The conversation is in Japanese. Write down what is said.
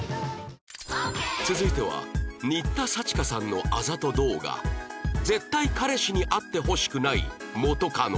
続いては新田さちかさんのあざと動画絶対彼氏に会ってほしくない元カノ